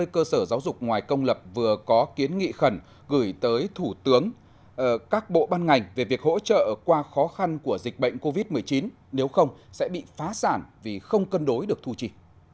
hai mươi cơ sở giáo dục ngoài công lập vừa có kiến nghị khẩn gửi tới thủ tướng các bộ ban ngành về việc hỗ trợ qua khó khăn của dịch bệnh covid một mươi chín nếu không sẽ bị phá sản vì không cân đối được thu trì